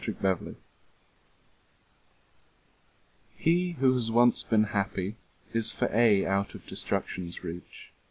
With Esther HE who has once been happy is for aye Out of destruction's reach.